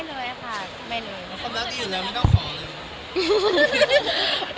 แล้วความรักอีกเลยไม่ต้องขอ